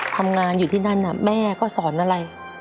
ทำงานอยู่ที่นั่นแม่ก็สอนอะไร